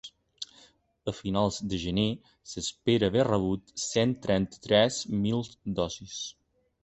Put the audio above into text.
A finals de gener s’espera haver rebut cent trenta-tres mil dosis.